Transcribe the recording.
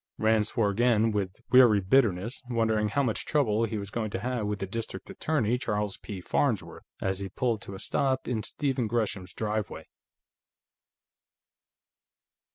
'" Rand swore again, with weary bitterness, wondering how much trouble he was going to have with District Attorney Charles P. Farnsworth, as he pulled to a stop in Stephen Gresham's driveway.